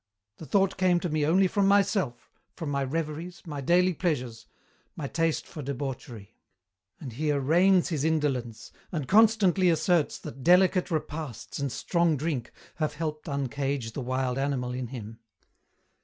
The thought came to me only from myself, from my reveries, my daily pleasures, my taste for debauchery.' And he arraigns his indolence and constantly asserts that delicate repasts and strong drink have helped uncage the wild animal in him.